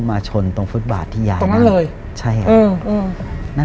มาชนตรงฟุตบาทที่ยายนั่ง